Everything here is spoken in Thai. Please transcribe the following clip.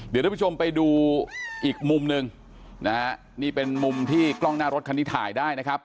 เดี๋ยวท่านผู้ชมไปดูอีกมุมหนึ่งนะฮะนี่เป็นมุมที่กล้องหน้ารถคันนี้ถ่ายได้นะครับ